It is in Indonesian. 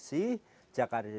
sudah banyak yang di kontrol